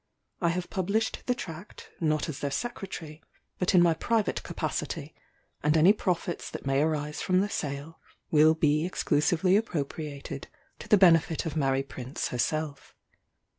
I have published the tract, not as their Secretary, but in my private capacity; and any profits that may arise from the sale will be exclusively appropriated to the benefit of Mary Prince herself.